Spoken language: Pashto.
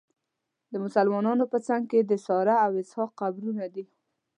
د مسلمانانو په څنګ کې د ساره او اسحاق قبرونه دي.